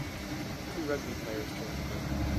Two rugby players during a game